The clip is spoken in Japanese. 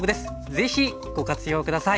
是非ご活用下さい。